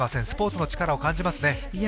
スポーツの力を感じますね。